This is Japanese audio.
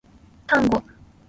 タンゴ